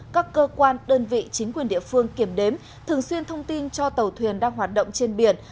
các cơ quan đơn vị chính quyền địa phương kiểm đếm thường xuyên thông tin cho tàu thuyền đang hoạt động trên biển